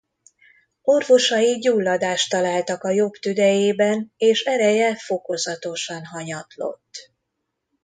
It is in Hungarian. Orvosai gyulladást találtak a jobb tüdejében és ereje fokozatosan hanyatlott.